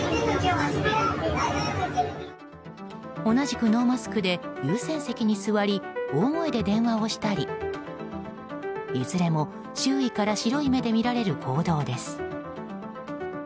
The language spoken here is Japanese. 同じくノーマスクで優先席に座り大声で電話をしたりいずれも周囲から白い目で見られる行動です。